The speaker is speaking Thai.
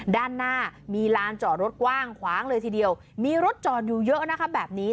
ด้านหน้ามีลานจอดรถกว้างขวางเลยทีเดียวมีรถจอดอยู่เยอะนะคะแบบนี้